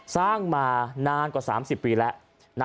สร้างมานานกว่า๓๐ปีแล้ว